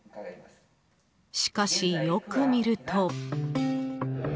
しかし、よく見ると。